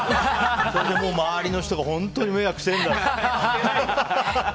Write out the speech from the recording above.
それで周りの人が本当に迷惑してるんだって。